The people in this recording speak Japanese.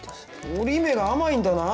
折り目が甘いんだな！